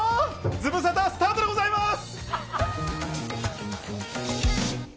ズムサタ、スタートでございます！